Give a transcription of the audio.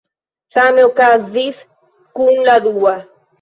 Same okazis kun la dua.